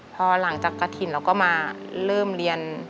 พอหลังจากกระถิ่นเราก็มาเริ่มเรียน